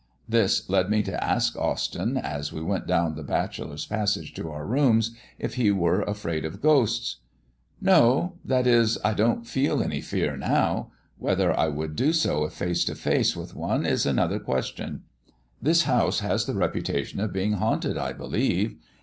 This led me to ask Austyn, as we went down the bachelor's passage to our rooms, if he were afraid of ghosts. "No; that is, I don't feel any fear now. Whether I should do so if face to face with one, is another question. This house has the reputation of being haunted, I believe.